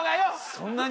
そんなに？